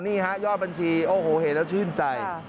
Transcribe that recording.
นี่ฮะยอดบัญชีโอ้โหเห็นแล้วชื่นใจ